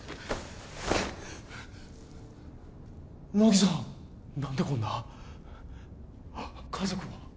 乃木さん何でこんな家族は？